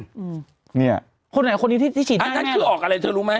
อืมเนี้ยคนไหนคนนี้ที่ที่ฉีดอันนั้นคือออกอะไรเธอรู้ไหม